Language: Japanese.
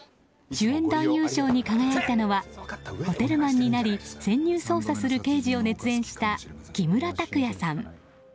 主演男優賞に輝いたのはホテルマンになり潜入捜査をする刑事を熱演した木村拓哉さん。